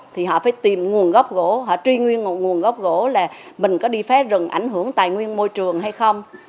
thì họ phải tìm nguồn gốc gỗ họ truy nguyên một nguồn gốc gỗ là mình có đi phá rừng ảnh hưởng tài nguyên môi trường hay không